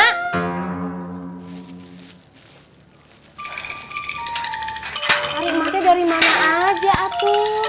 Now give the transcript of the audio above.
tarik matanya dari mana aja atu